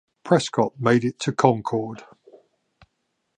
Prescott made it to Concord.